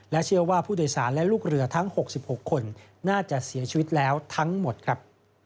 เชื่อว่าผู้โดยสารและลูกเรือทั้ง๖๖คนน่าจะเสียชีวิตแล้วทั้งหมดครับ